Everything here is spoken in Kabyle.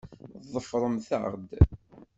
Ḍefṛemt-aɣ-d!